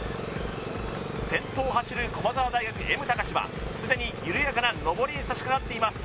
先頭を走る駒澤大学Ｍ高史はすでに緩やかな上りに差し掛かっています